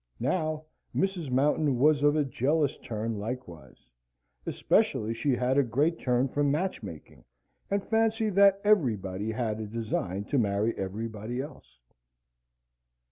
Now, Mrs. Mountain was of a jealous turn likewise; especially she had a great turn for match making, and fancied that everybody had a design to marry everybody else.